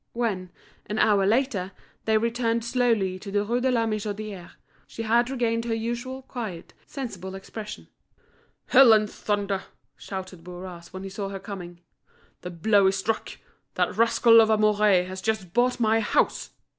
When, an hour later on, they returned slowly to the Rue de la Michodière, she had regained her usual quiet, sensible expression. "Hell and thunder!" shouted Bourras, when he saw her coming, "the blow is struck. That rascal of a Mouret has just bought my house."